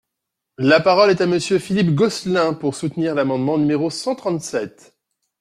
La parole est à Monsieur Philippe Gosselin, pour soutenir l’amendement numéro cent trente-sept.